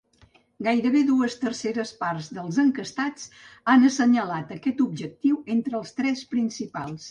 Gairebé dues terceres parts dels enquestats han assenyalat aquest objectiu entre els tres principals.